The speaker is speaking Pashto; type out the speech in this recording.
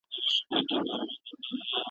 بيا به دا آسمان شاهد وي ,